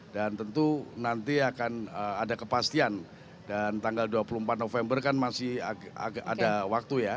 dan tentu nanti akan ada kepastian dan tanggal dua puluh empat november kan masih ada waktu ya